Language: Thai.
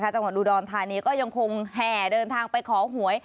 จังหวัดอุดรธานีก็ยังคงแห่เดินทางไปขอหวย